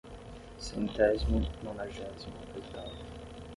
Centésimo nonagésimo oitavo